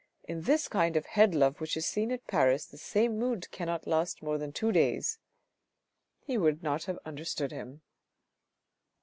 In this kind of head love which is seen at Paris, the same mood cannot 1 ast more than two days," he would not have understood him.